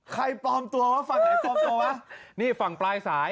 ปลอมตัววะฝั่งไหนปลอมตัววะนี่ฝั่งปลายสาย